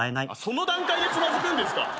その段階でつまずくんですか。